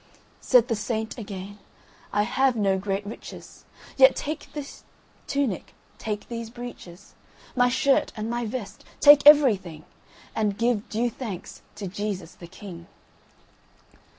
Said the saint again, "I have no great riches, Yet take this tunic, take these breeches, My shirt and my vest, take everything, And give due thanks to Jesus the King."